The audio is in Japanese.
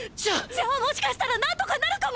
じゃあもしかしたら何とかなるかも！！